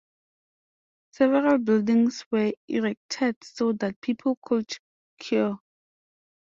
Several buildings were erected so that people could "cure".